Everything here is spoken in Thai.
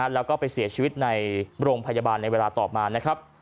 แล้วก็ไปเสียชีวิตในโรงพยาบาลในเวลาต่อมานะครับ